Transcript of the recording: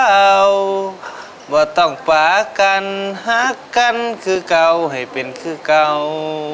เราว่าต้องฝากันฮักกันคือเก่าให้เป็นคือเก่า